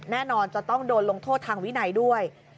แน่นอนจะต้องโดนลงโทษทางวินัยด้วย